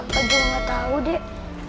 kakak juga gak tau dik